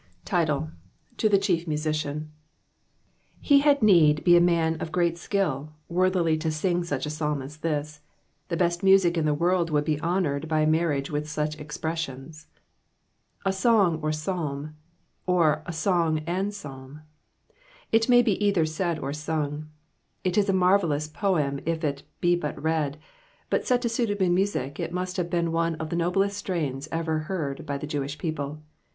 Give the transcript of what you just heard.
TiTLB. — ^To the Chief Masician.— ^e ?iad need he a man of great skiU, worlhUty to sing such a Psalm as (his : Vie best music in the world would be honoured by marriage with such expressions. A Song or Psalm, or a Song and Psalm. It may be either said or sung ; U is a marvellous poem if it be but read ; but set to suitable music, it must liave been one of the noblest strains ever heard by Vie Jewish people.